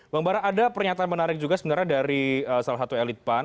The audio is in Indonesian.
bang bara ada pernyataan menarik juga sebenarnya dari salah satu elit pan